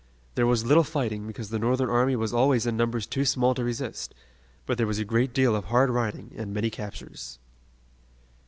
There was little fighting because the Northern enemy was always in numbers too small to resist, but there was a great deal of hard riding and many captures.